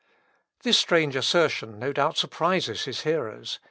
" This strange assertion no doubt surprises his hearers.